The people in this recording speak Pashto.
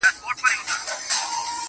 ما ناولونه ، ما كيسې ،ما فلسفې لوستي دي,